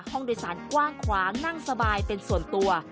ห้องโดยสารกว้างขวางนั่งสบายเป็นส่วนตัว